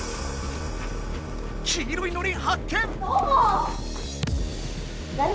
黄色いのれん発見！